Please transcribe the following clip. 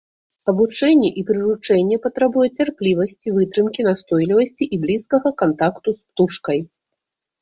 Абучэнне і прыручэнне патрабуе цярплівасці, вытрымкі, настойлівасці і блізкага кантакту з птушкай.